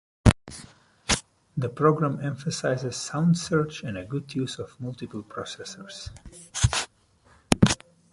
The program emphasizes sound search and a good use of multiple processors.